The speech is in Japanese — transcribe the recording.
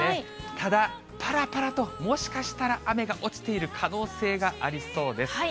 ただ、ぱらぱらと、もしかしたら雨が落ちている可能性がありそうです。